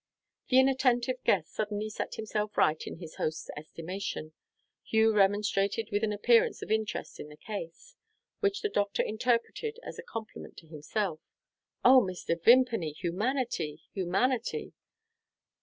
The inattentive guest suddenly set himself right in his host's estimation. Hugh remonstrated with an appearance of interest in the case, which the doctor interpreted as a compliment to himself: "Oh, Mr. Vimpany, humanity! humanity!"